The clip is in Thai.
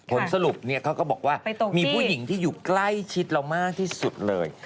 ผลสรุปเขาก็บอกว่ามีผู้หญิงที่อยู่ใกล้ชิดเรามากที่สุดเลย